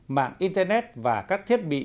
mạng internet và các thiết bị